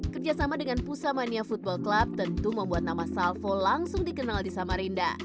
kerjasama dengan pusamania football club tentu membuat nama salvo langsung dikenal di samarinda